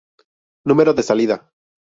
Número de salida!!